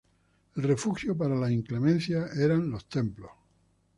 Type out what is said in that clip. El refugio para las inclemencias eran los templos.